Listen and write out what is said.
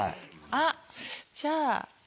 あっじゃあ。